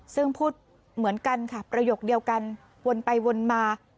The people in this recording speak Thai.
ซึ่งพูดเหมือนกันค่ะประโยคเดียวกันวนไปวนมา